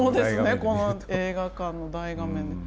この映画館の大画面で。